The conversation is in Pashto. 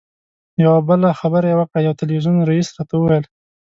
یوه بله خبره یې وکړه یو تلویزیون رییس راته وویل.